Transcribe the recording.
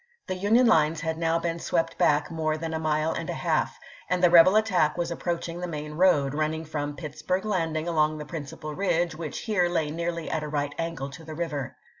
The Union Hues had now been swept back more than a mile and a half, and the rebel attack was approach ing the main road, running from Pittsburg Landing along the principal ridge, which here lay nearly at a right angle to the river.